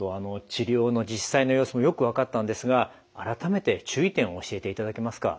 治療の実際の様子もよく分かったんですが改めて注意点を教えていただけますか？